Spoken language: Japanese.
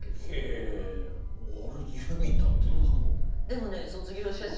へぇあれユーミンだっていうんですか。